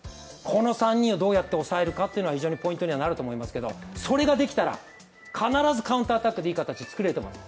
この３人をどうやって抑えるのか非常にポイントになると思いますけれども、それができたら、必ずカウンターアタックでいい形が作れると思います。